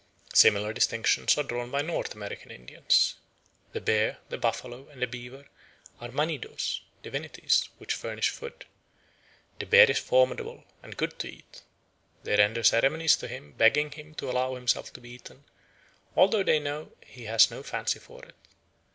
Similar distinctions are drawn by North American Indians. "The bear, the buffalo, and the beaver are manidos [divinities] which furnish food. The bear is formidable, and good to eat. They render ceremonies to him, begging him to allow himself to be eaten, although they know he has no fancy for it.